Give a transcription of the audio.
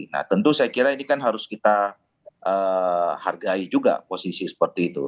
nah tentu saya kira ini kan harus kita hargai juga posisi seperti itu